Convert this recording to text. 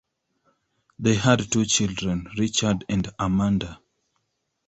They had two children, Richard and Amanda.